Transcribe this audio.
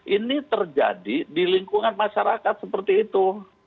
ini terjadi di lingkungan masyarakat seperti itu